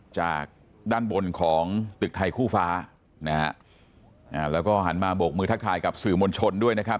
จากด้านบนของตึกไทยคู่ฟ้านะฮะแล้วก็หันมาโบกมือทักทายกับสื่อมวลชนด้วยนะครับ